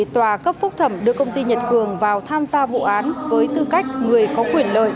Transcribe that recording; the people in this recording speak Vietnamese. tòa cấp phúc thẩm đưa công ty nhật cường vào tham gia vụ án với tư cách người có quyền lợi